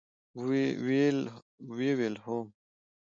ویل: هو!